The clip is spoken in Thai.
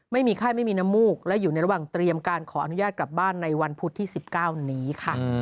ไม่มีไข้ไม่มีน้ำมูกและอยู่ในระหว่างเตรียมการขออนุญาตกลับบ้านในวันพุธที่๑๙นี้ค่ะ